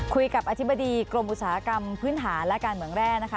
อธิบดีกรมอุตสาหกรรมพื้นฐานและการเมืองแร่นะคะ